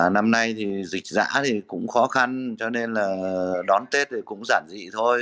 năm nay thì dịch giã thì cũng khó khăn cho nên là đón tết thì cũng giản dị thôi